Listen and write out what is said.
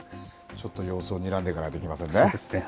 ちょっと様子をにらんでいかないといけませんね。